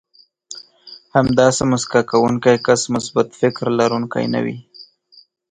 همداسې مسکا کوونکی کس مثبت فکر لرونکی نه وي.